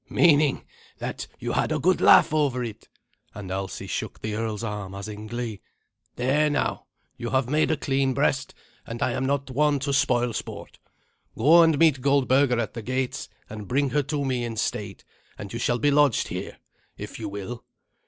"Meaning that you had a good laugh over it;" and Alsi shook the earl's arm as in glee. "There now, you have made a clean breast, and I am not one to spoil sport. Go and meet Goldberga at the gates, and bring her to me in state, and you shall be lodged here, if you will.